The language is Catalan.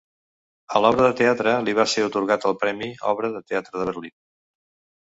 A l'obra de teatre li va ser atorgat el Premi Obra de Teatre de Berlín.